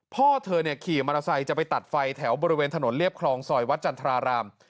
พ่อเธอขี่มอเตอร์ไซค์จะไปตัดไฟแถวบริเวณถนนเรียบคลองซอยวัดจันทราราม